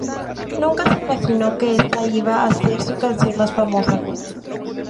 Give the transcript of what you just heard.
Nunca se imaginó que esta iba a ser su canción más famosa.